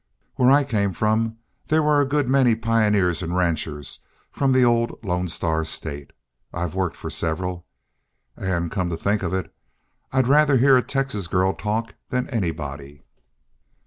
Where I came from there were a good many pioneers an' ranchers from the old Lone Star state. I've worked for several. An', come to think of it, I'd rather hear a Texas girl talk than anybody."